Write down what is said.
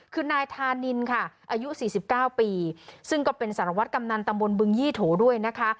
คือนายธานีนค่ะอายุสี่สิบเก้าปีซึ่งก็เป็นศาลวัฒน์กำนันตมงซ์บึงยี่โถด้วยนะคะ